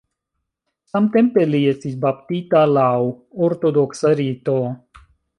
Samtempe li estis baptita laŭ ortodoksa rito.